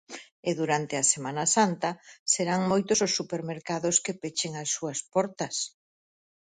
E durante a Semana Santa serán moitos os supermercados que pechen as súas portas.